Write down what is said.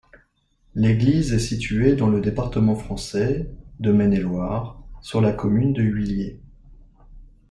L'église est située dans le département français de Maine-et-Loire, sur la commune de Huillé.